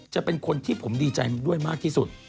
จะเป็นคนที่ผมดีใจด้วยมากที่สุด